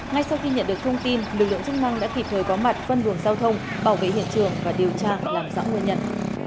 ngay sau khi nhận được thông tin lực lượng chức năng đã kịp thời có mặt phân vườn giao thông bảo vệ hiện trường và điều tra làm rõ nguyên nhân